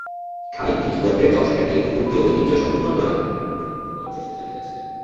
খালিদ নিজ গোত্রের যশ-খ্যাতি এবং গোত্রীয় ঐতিহ্য সমুন্নত রাখতে প্রাণান্তকর চেষ্টা চালিয়ে যাচ্ছিলেন।